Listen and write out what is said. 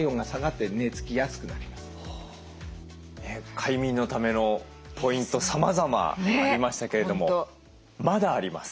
快眠のためのポイントさまざまありましたけれどもまだあります。